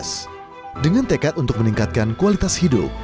kodim lima ratus sembilan berdekat untuk meningkatkan kualitas hidup